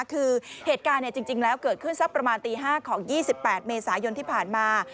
คือเหตุการณ์จริงแล้วเกิดขึ้นสักประมาณตี๕ของ๒๘เมษายนที่ผ่านมา